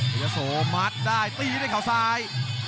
เฮทยาซูมัดได้ตีได้เข้าซ้าย